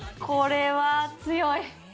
これは強い。